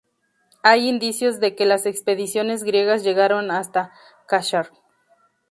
Hay indicios de que las expediciones griegas llegaron hasta Kashgar.